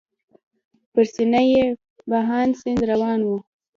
پر سینه یې بهاند سیند روان و.